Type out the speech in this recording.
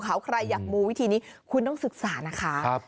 เขาใครอยากมูวิธีนี้คุณต้องศึกษานะคะ